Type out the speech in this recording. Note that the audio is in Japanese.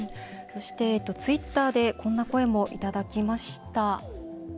そして、ツイッターでこんな声もいただきました。